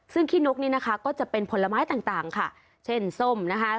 ซึ่งขี้นกนี่นะคะก็จะเป็นผลไม้ต่างต่างค่ะเช่นส้มนะคะ